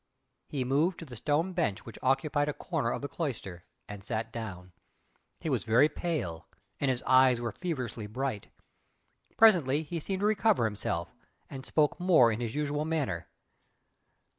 He moved to the stone bench which occupied a corner of the cloister and sat down. He was very pale and his eyes were feverishly bright. Presently he seemed to recover himself, and spoke more in his usual manner.